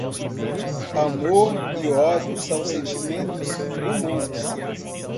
Amor e ódio são sentimentos humanos.